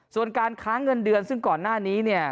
ส่วนการค้าเงินเดือนซึ่งก่อนหน้านี้เนี่ย